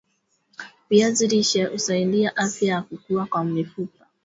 viazi lishe husaidia afya ya kukua kwa mifupa